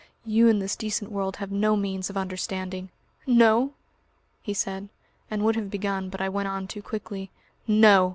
You in this decent world have no means of understanding " "No?" he said, and would have begun, but I went on too quickly. "No!